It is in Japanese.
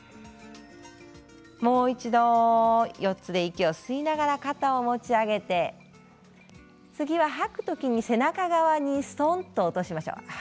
もう一度、４つで息を吸いながら肩を持ち上げて吐く時に背中側にすとんと落としましょう。